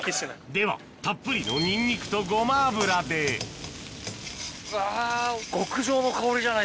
ではたっぷりのニンニクとごま油でうわ。